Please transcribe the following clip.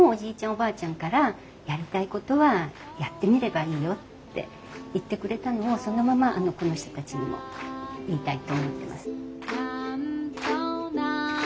おばあちゃんからやりたいことはやってみればいいよって言ってくれたのをそのままこの人たちにも言いたいと思ってます。